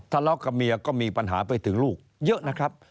ทะเลาะกับเมียก็มีปัญหาไปถึงลูกเยอะนะครับ